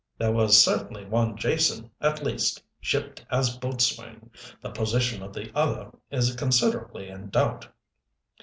There was certainly one Jason, at least, shipped as boatswain the position of the other is considerably in doubt.